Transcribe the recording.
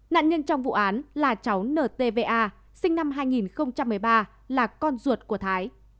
nạn nhân trong vụ án là cháu ntva sinh năm hai nghìn một mươi ba là con ruột của thái